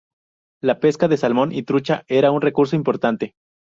La pesca de salmón y trucha era un recurso importante.